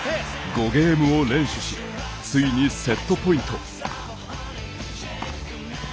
５ゲームを連取しついにセットポイント。